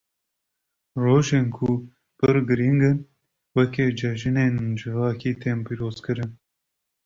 Rojên ku pir girîng in, weke cejinên civakî tên pîrozkirin.